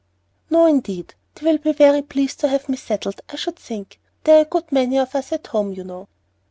"No, indeed; they'll be very pleased to have me settled, I should think. There are a good many of us at home, you know."